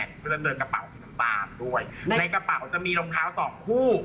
ก็จะเจอกระเป๋าสีน้ำตาลด้วยในกระเป๋าจะมีรองเท้าสองคู่